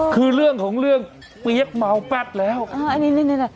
คือเรื่องของเรื่องเปี๊ยกเมาแป๊ดแล้วอ่าอันนี้นี่น่ะ